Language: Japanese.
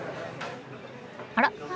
あら。